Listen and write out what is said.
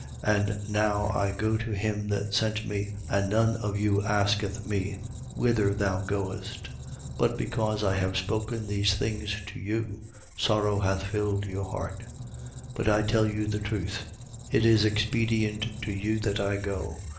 And now I go to him that sent me, and none of you asketh me: Whither goest thou? 16:6. But because I have spoken these things to you, sorrow hath filled your heart. 16:7. But I tell you the truth: it is expedient to you that I go.